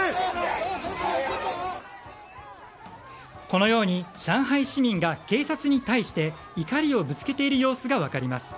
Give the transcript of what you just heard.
このように上海市民が警察に対して怒りをぶつけている様子が分かります。